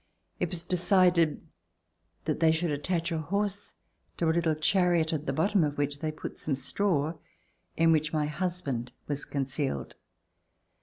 It was decided that they should attach a horse to a little chariot, at the bottom of which they put some straw in which my husband was concealed.